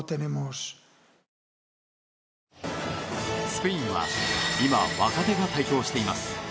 スペインは今、若手が台頭しています。